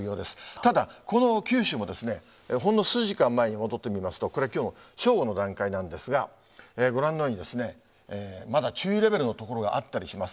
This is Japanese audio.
ただ、この九州も、ほんの数時間前に戻ってみますと、これ、きょうの正午の段階なんですが、ご覧のように、まだ注意レベルの所があったりします。